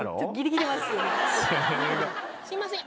すいません。